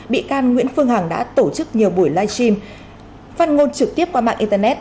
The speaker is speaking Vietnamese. bị can nguyễn phương hằng đã tổ chức nhiều buổi live stream phát ngôn trực tiếp qua mạng internet